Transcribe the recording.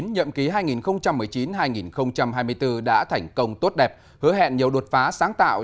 nhậm ký hai nghìn một mươi chín hai nghìn hai mươi bốn đã thành công tốt đẹp hứa hẹn nhiều đột phá sáng tạo